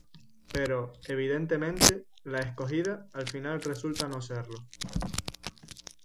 Pero, evidentemente, la escogida, al final resulta no serlo.